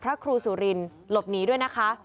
พระครูสุรินหลบหนีด้วยนะคะ